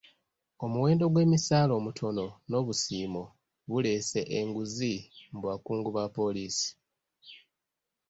Omuwendo gw'emisaala omutono n'obusiimo buleese enguzi mu bakungu ba poliisi.